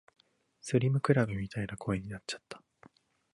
スリムクラブみたいな声になっちゃった